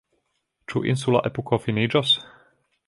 Ĉu insula epoko finiĝos?